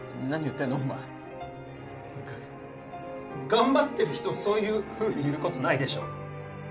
頑張ってる人をそういうふうに言うことないでしょ